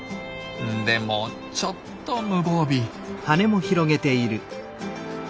でもちょっと無防備。